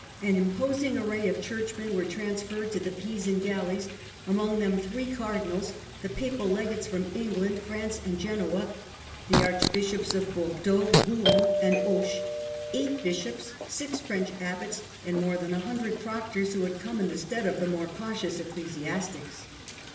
An imposing array of churchmen were transferred to the Pisan galleys, among them three Cardinals, the Papal Legates from England, France and Genoa ; the Arch bishops of Bourdeaux, Rouen and Auch ; eight Bishops ; six French Abbots ; and more than a hundred Proctors who had come in the stead of the more cautious ecclesias tics.